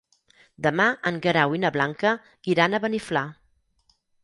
Demà en Guerau i na Blanca iran a Beniflà.